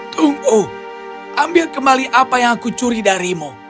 tunggu ambil kembali apa yang aku curi darimu